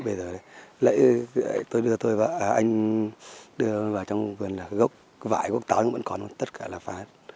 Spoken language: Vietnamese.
bây giờ tôi đưa tôi và anh đưa vào trong vườn là gốc vải gốc táo vẫn còn tất cả là phá hết